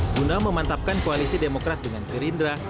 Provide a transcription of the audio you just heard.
guna memantapkan koalisi demokrat dengan gerindra